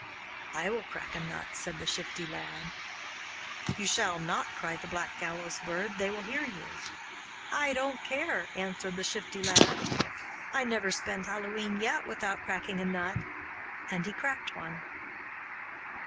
'I will crack a nut,' said the Shifty Lad. 'You shall not,' cried the Black Gallows Bird; 'they will hear you.' 'I don't care,' answered the Shifty Lad. 'I never spend Hallowe'en yet without cracking a nut'; and he cracked one.